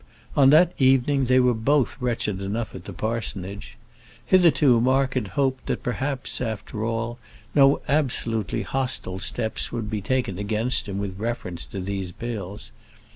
On that evening they were both wretched enough at the parsonage. Hitherto Mark had hoped that perhaps, after all, no absolutely hostile steps would be taken against him with reference to these bills.